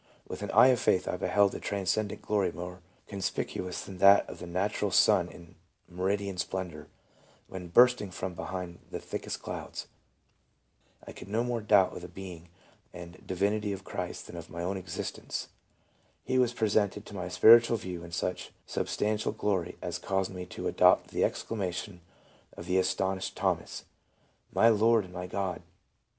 With an eye of faith I beheld the transcendent glory more conspicuous than that of the natural sun in meridian splendor, when bursting from behind the thickest clouds. I could no more doubt of the being and divinity of Christ than of my own existence. He was presented to my spiritual view in such substantial glory as caused me to adopt the exclamation of the astonished Thomas, :' My Lord and my God